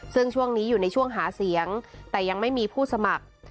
ซึ่งช่วงนี้อยู่ในช่วงหาเสียงแต่ยังไม่มีผู้สมัคร